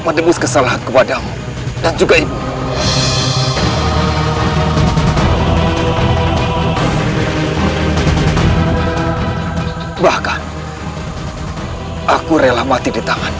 menembus kesalahan kepada dan juga ibu bahkan aku rela mati ditanganmu